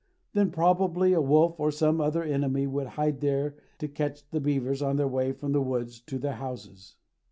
Then probably a wolf, or some other enemy, would hide there to catch the beavers on their way from the woods to their houses.